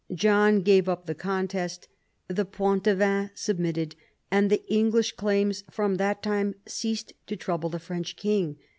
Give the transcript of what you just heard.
John gave up the contest. The Poitevins submitted ; and the English claims from that time ceased to trouble the French king.